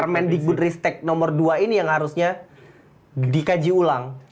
permendikbud ristek nomor dua ini yang harusnya dikaji ulang